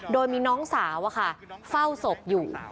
โดยมีน้องสาวเฝ้าศพอยู่